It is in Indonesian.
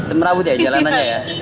semerawut ya jalanannya ya